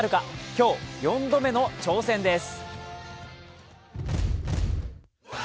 今日、４度目の挑戦です。